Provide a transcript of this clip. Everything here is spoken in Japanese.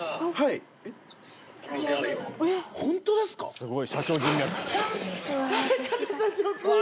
すごい。